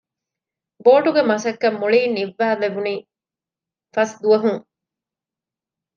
ބޯޓުގެ މަސައްކަތް މުޅީން ނިންވައި ލެއްވުނީ ފަސް ދުވަހުން